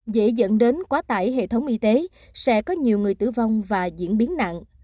dễ dẫn đến quá tải hệ thống y tế sẽ có nhiều người tử vong và diễn biến nặng